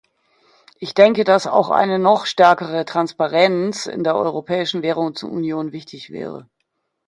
Ich denke, dass auch eine noch stärkere Transparenz in der Europäischen Währungsunion wichtig wäre.